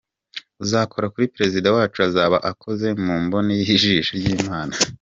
Uzakora kuri Perezida wacu azaba akoze mu mboni y’ijisho ry’Imana.